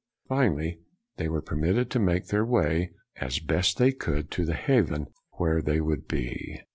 Finally, they were permitted to make their way, as best they could, to the haven where they would be.